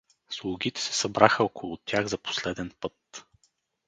Слугите се събраха около тях за последен път.